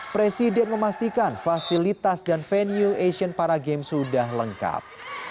presiden memastikan fasilitas dan venue asian para games sudah lengkap